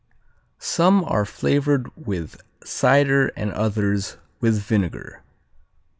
Some are flavored with cider and others with vinegar.